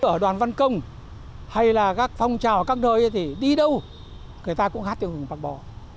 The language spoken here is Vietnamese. ở đoàn văn công hay là các phong trào các nơi thì đi đâu người ta cũng hát theo hướng bắc bó